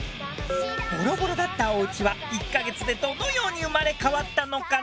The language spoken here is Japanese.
ボロボロだったおうちは１ヵ月でどのように生まれ変わったのかな？